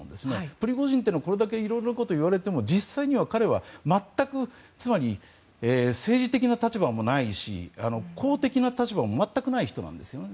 プリゴジンというのはこれだけ色々なことを言われても実際、彼は全くつまり政治的な立場もないし公的な立場も全くない人なんですね。